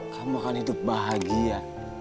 kamu akan hidup bahagia